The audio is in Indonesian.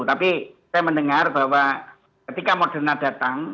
tapi saya mendengar bahwa ketika moderna datang